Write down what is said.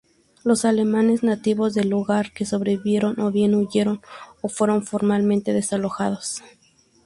Los alemanes nativos del lugar que sobrevivieron, o bien huyeron o fueron formalmente desalojados.